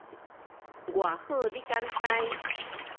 偌好你敢知